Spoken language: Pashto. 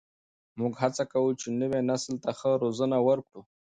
موږ هڅه کوو چې نوي نسل ته ښه روزنه ورکړو.